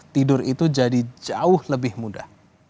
tidur itu jadi jauh lebih mudah